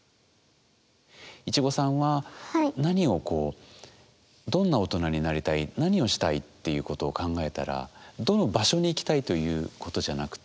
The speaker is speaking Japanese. いちごさんは何をこうどんな大人になりたい何をしたいっていうことを考えたらどの場所に行きたいということじゃなくて。